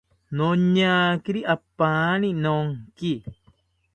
Noñakiri apaani nonki